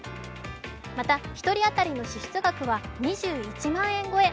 また１人当たりの支出額は２１万円超え。